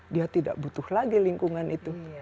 dia tidak butuh lagi lingkungan itu